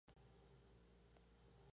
Habita en la India y en Indonesia.